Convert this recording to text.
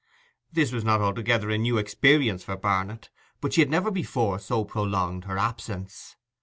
This was not altogether a new experience for Barnet; but she had never before so prolonged her absence.